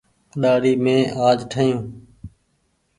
ڏآڙي مين آج ٺآيون ۔